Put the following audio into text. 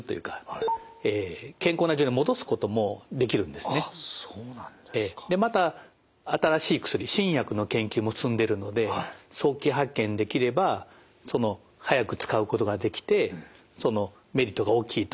でまた新しい薬新薬の研究も進んでいるので早期発見できれば早く使うことができてメリットが大きいと。